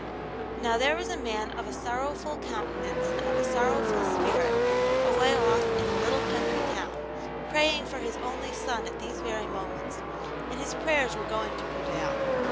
Now, there was a man of a sorrowful countenance and of a sorrowful spirit away off in a little country town, praying for his only son at these very moments, and his prayers were going to prevail.